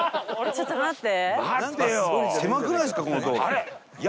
ちょっと待って。